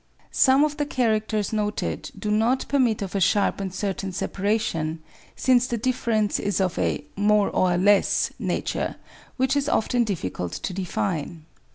Some of the characters noted do not permit of a sharp and certain separation, since the difference is of a " more or less " nature, which is often difficult to define.